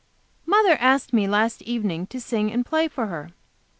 Mother asked me last evening to sing and play to her.